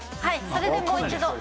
それでもう一度。